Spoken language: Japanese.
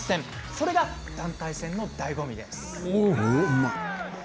それが団体戦のだいご味です。